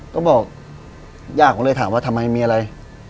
ก็บอกย่าผมเลยถามว่าทำไมมีอะไร